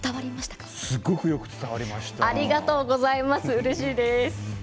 うれしいです。